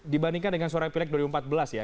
dibandingkan dengan suara pilek dua ribu empat belas ya